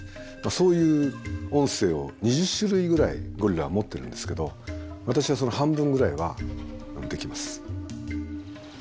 そういう音声を２０種類ぐらいゴリラは持ってるんですけど私はその半分ぐらいはできます。